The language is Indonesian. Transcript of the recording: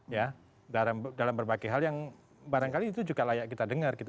ya dalam berbagai hal yang barangkali itu juga layak kita dengar gitu